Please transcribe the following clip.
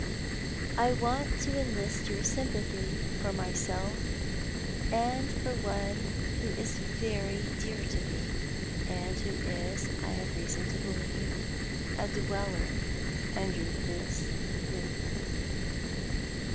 " I want to enlist your sympathy for myself, and for one who is very dear to me, and who is, I have reason to believe, a dweller under this roof."